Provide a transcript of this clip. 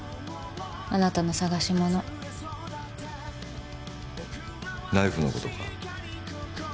あなたの捜し物ナイフのことか？